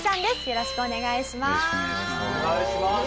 よろしくお願いします。